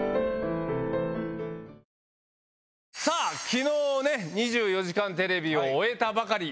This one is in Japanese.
昨日ね『２４時間テレビ』を終えたばかり。